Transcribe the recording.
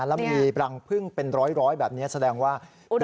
แล้วมีรังพึ่งเป็นร้อยแบบนี้แสดงว่า